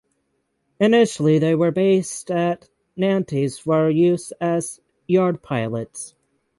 Initially they were based at Nantes for use as yard pilots.